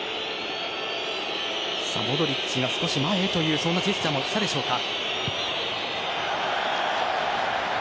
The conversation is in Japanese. モドリッチが少し前へというジェスチャーもしたでしょうか。